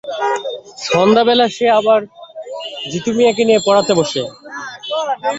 সন্ধ্যাবেলা সে আবার জিতু মিয়াকে নিয়ে পড়াতে বসে।